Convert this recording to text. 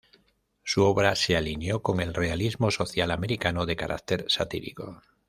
Su obra se alineó con el realismo social americano, de carácter satírico.